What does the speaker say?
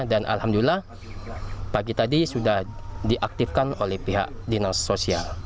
dan alhamdulillah pagi tadi sudah diaktifkan oleh pihak dinas sosial